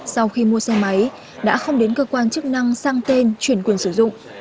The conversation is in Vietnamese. sau khi mua xe máy đã không đến cơ quan chức năng sang tên chuyển quyền sử dụng